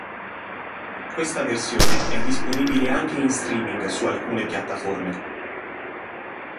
Questa versione è disponibile anche in streaming su alcune piattaforme.